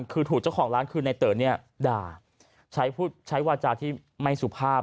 คือถูกเจ้าของร้านคือในเต๋อเนี่ยด่าใช้วาจาที่ไม่สุภาพ